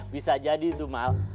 bisa jadi tuh mal